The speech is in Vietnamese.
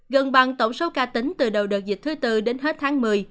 gần bằng tổng số ca tính từ đầu đợt dịch thứ tư đến hết tháng một mươi